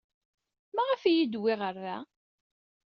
Maɣef ay iyi-d-tewwi ɣer da?